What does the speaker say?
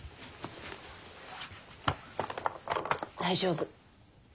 大丈夫。